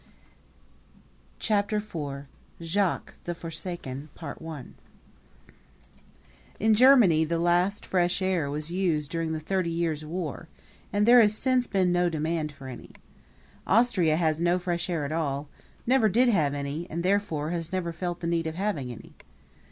Chapter IV Jacques, the Forsaken In Germany the last fresh air was used during the Thirty Years' War, and there has since been no demand for any. Austria has no fresh air at all never did have any, and therefore has never felt the need of having any.